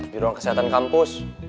di ruang kesehatan kampus